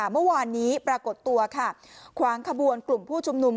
เมื่อวานนี้ปรากฏตัวค่ะขวางขบวนกลุ่มผู้ชุมนุม